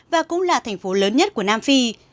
và cũng là thành phố lớn nhất của nam phi